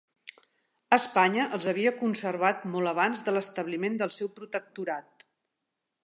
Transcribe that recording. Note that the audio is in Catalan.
Espanya els havia conservat molt abans de l'establiment del seu protectorat.